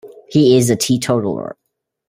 He is a teetotaler.